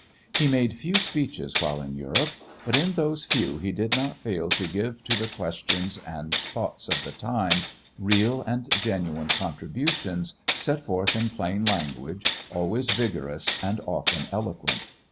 He made few speeches while in Europe, but in those few he did not fail to give to the questions and thought of the time real and genuine contributions, set forth in plain language always vigorous and often eloquent.